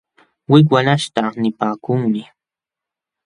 Wik walaśhta aśhnu nipaakunmi.